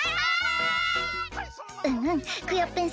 うんうんクヨッペン